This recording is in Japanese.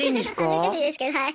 恥ずかしいですけどはい。